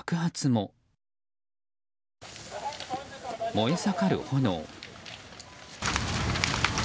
燃え盛る炎。